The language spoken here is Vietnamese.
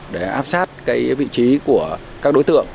để áp sát cái vị trí của các đối tượng